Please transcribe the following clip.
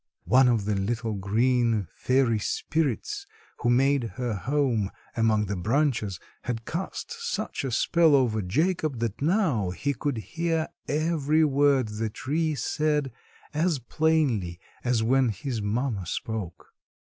One of the little, green fairy spirits who made her home among the branches had cast such a spell over Jacob that now he could hear every word the tree said as plainly as when his mamma spoke.